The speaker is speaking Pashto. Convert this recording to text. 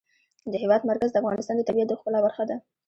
د هېواد مرکز د افغانستان د طبیعت د ښکلا برخه ده.